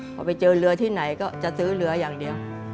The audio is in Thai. พอไปเจอเรือที่ไหนก็จะซื้อเรืออย่างเดียว